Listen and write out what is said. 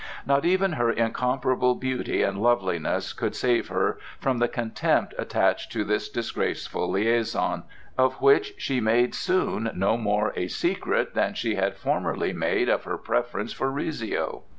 Not even her incomparable beauty and loveliness could save her from the contempt attached to this disgraceful liaison, of which she made soon no more a secret than she had formerly made of her preference for Rizzio.